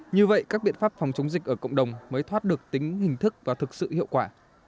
như vậy các biện pháp phòng chống dịch ở cộng đồng mới thoát được tính hình thức và thực sự hiệu quả